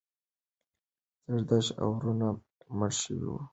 زردشت اورونه مړه شوي وو، برجونه یې د لرغوني مذهب پاتې شوني و.